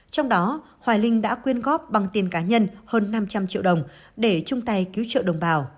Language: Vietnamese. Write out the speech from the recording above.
trong đó hoài linh đã quyên góp bằng tiền cá nhân hơn năm trăm linh triệu đồng